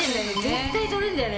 絶対取れるんだよね。